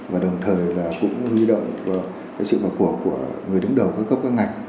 và đồng thời là cũng huy động vào sự vào cuộc của người đứng đầu các cấp các ngành